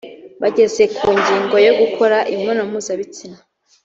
Bageze ku ngingo yo gukora imibonano mpuzabitsina